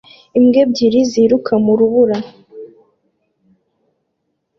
Imbwa ebyiri ziruka mu rubura